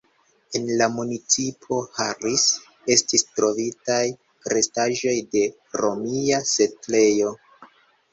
En la municipo Harris estis trovitaj restaĵoj de romia setlejo.